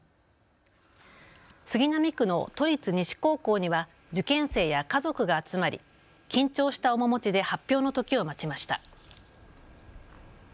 杉並区の都立西高校には受験生や家族が集まり緊張した面持ちで発表の時を待ちました。